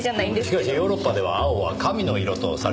しかしヨーロッパでは青は神の色とされていましてね。